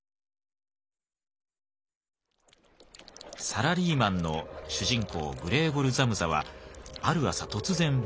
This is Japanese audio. サラリーマンの主人公グレーゴル・ザムザはある朝突然虫に変身。